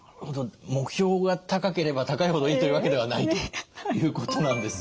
目標が高ければ高いほどいいというわけではないということなんですね。